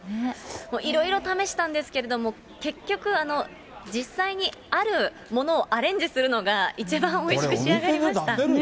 いろいろ試したんですけれども、結局、実際にあるものをアレンジするのが、一番おいしく仕上がりました。